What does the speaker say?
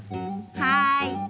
はい！